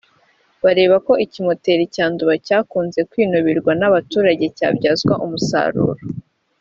bareba ko ikimoteri cya Nduba cyakunze kwinubirwa n’abaturage cyabyazwa umusaruro